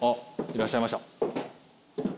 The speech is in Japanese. いらっしゃいました。